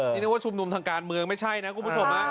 นี่นึกว่าชุมนุมทางการเมืองไม่ใช่นะคุณผู้ชม